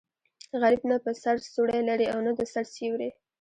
غریب نه په سر څوړی لري او نه د سر سیوری.